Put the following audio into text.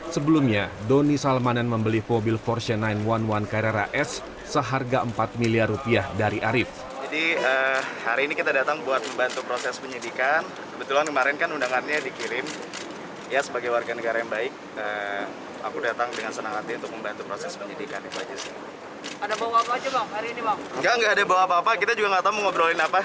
sebelumnya doni salmanan membeli mobil porsche sembilan ratus sebelas carrera s seharga empat miliar rupiah dari arief